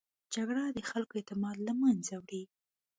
جګړه د خلکو اعتماد له منځه وړي